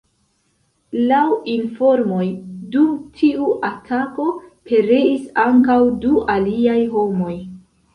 Laŭ informoj dum tiu atako pereis ankaŭ du aliaj homoj.